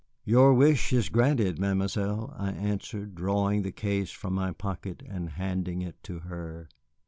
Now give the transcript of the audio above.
"Your wish is granted, Mademoiselle," I answered, drawing the case from my pocket and handing it to her.